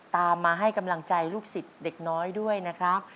ตามมาให้กำลังใจลูกศิษย์เด็กน้อยด้วยนะครับ